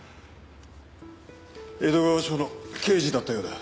江戸川署の刑事だったようだ。